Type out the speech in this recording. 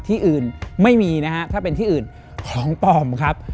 ที่อื่นไม่มีนะฮะถ้าเป็นที่อื่นของปลอมครับ